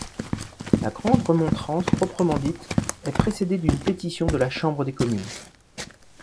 La Grande Remontrance proprement dite est précédée d'une pétition de la Chambre des Communes.